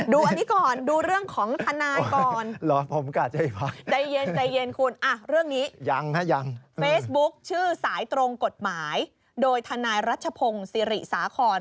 ดูอันนี้ก่อนดูเรื่องของธนาคมก่อน